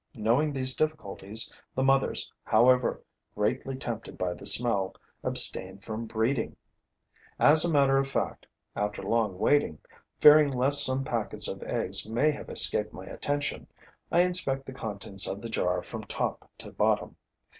Knowing these difficulties, the mothers, however greatly tempted by the smell, abstain from breeding. As a matter of fact, after long waiting, fearing lest some packets of eggs may have escaped my attention, I inspect the contents of the jar from top to bottom.